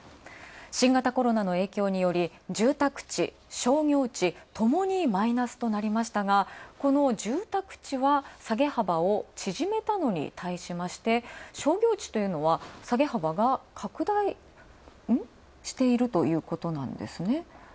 新型コロナの影響により、住宅地、商業地ともにマイナスとなりましたが、この住宅地は下げ幅を縮めたのに対しまして、商業地というのは下げ幅が拡大しているということなんですね。